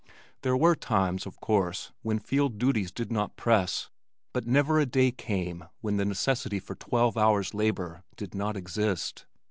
There were times, of course, when field duties did not press, but never a day came when the necessity for twelve hours' labor did not exist.